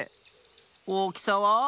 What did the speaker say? おおきさは？